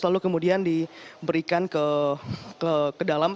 lalu kemudian diberikan ke dalam